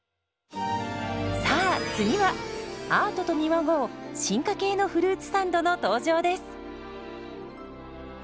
さあ次はアートと見まごう進化系のフルーツサンドの登場です。